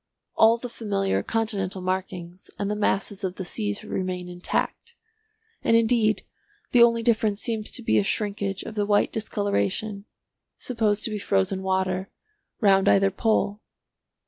All the familiar continental markings and the masses of the seas remain intact, and indeed the only difference seems to be a shrinkage of the white discoloration (supposed to be frozen water) round either pole."